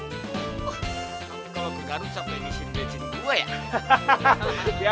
wah tapi kalau ke garut sampai di sini bensin gue ya